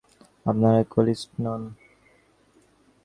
আপনারা কোয়ালিস্ট নন।